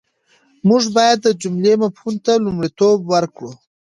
موږ بايد د جملې مفهوم ته لومړیتوب ورکړو.